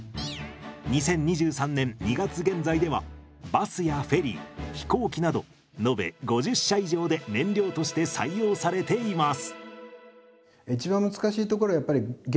２０２３年２月現在ではバスやフェリー飛行機など延べ５０社以上で燃料として採用されています。